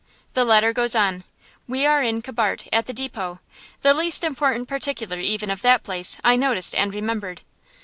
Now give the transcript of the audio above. The letter goes on: We are in Kibart, at the depot. The least important particular, even, of that place, I noticed and remembered.